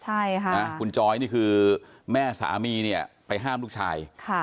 ใช่ค่ะนะคุณจอยนี่คือแม่สามีเนี่ยไปห้ามลูกชาย